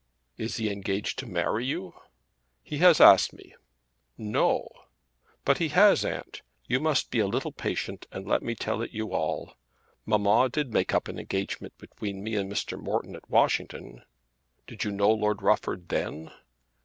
"Is he engaged to marry you?" "He has asked me." "No!" "But he has, aunt. You must be a little patient and let me tell it you all. Mamma did make up an engagement between me and Mr. Morton at Washington." "Did you know Lord Rufford then?"